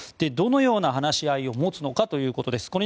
どのような話し合いを持つのかということです。